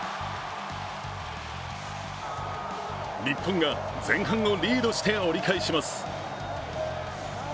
日本が前半をリードして折り返します。